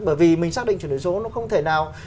bởi vì mình xác định chuyển đổi số nó không thể nào